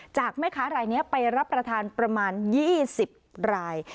จากแม่ค้ารายนี้ไปรับประทานประมาณ๒๐ราย